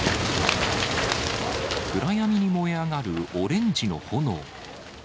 暗闇に燃え上がるオレンジの炎。